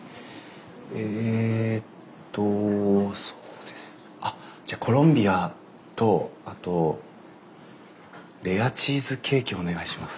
えっとじゃあコロンビアとあとレアチーズケーキお願いします。